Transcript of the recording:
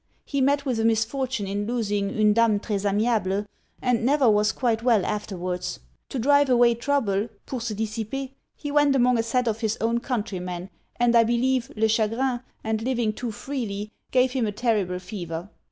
He met with a misfortune in losing une dame tres amiable, and never was quite well afterwards. To drive away trouble, pour se dissiper, he went among a set of his own countrymen, and I believe le chagrin, and living too freely, gave him a terrible fever.